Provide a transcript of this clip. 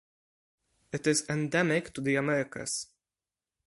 It is endemic to the Americas.